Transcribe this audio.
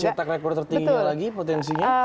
cetak rekor tertinggi lagi potensinya